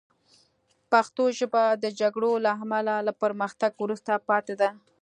پښتو ژبه د جګړو له امله له پرمختګ وروسته پاتې ده